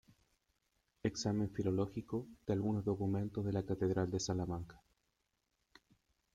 Examen filológico de algunos documentos de la Catedral de Salamanca".